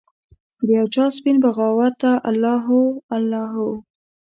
د یوچا سپین بغاوته الله هو، الله هو